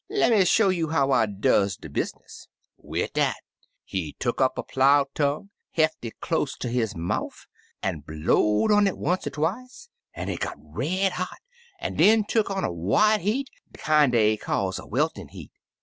Le' me show you how I does de business/ Wid dat, he tuck'^ upi. a plow tongue, belt it close ter his mouf, an' blowed on it once er twice, an' it got red hot, an' den tuck on a white heat, de kin' dey calls a weltin' heat.